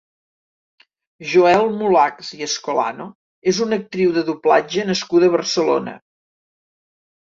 Joël Mulachs i Escolano és una actriu de doblatge nascuda a Barcelona.